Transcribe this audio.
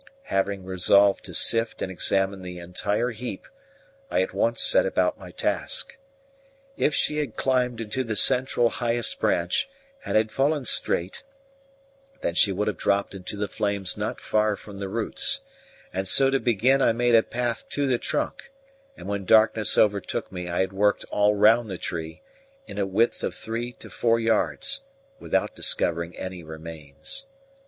Having resolved to sift and examine the entire heap, I at once set about my task. If she had climbed into the central highest branch, and had fallen straight, then she would have dropped into the flames not far from the roots; and so to begin I made a path to the trunk, and when darkness overtook me I had worked all round the tree, in a width of three to four yards, without discovering any remains.